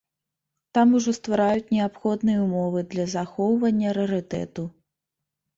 Там ужо ствараюць неабходныя ўмовы для захоўвання рарытэту.